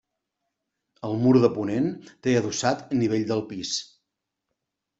El mur de ponent té adossat nivell del pis.